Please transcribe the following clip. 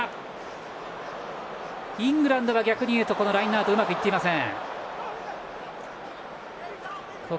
イングランドが逆に言うとラインアウトはうまくいっていません。